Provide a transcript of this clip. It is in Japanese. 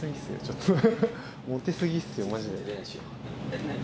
モテ過ぎっすよマジで。